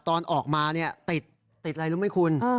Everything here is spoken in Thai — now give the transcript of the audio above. ตอนออกมาเนี่ยติดอะไรรู้ไหมคุณ